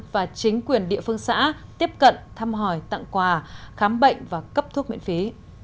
và chính quyền địa phương xã tiếp cận thăm hỏi tặng quà khám bệnh và cấp thuốc miễn phí